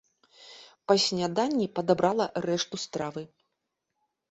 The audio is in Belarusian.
Па сняданні падабрала рэшту стравы.